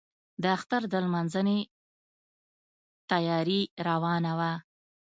د اختر د لمانځنې تیاري روانه وه.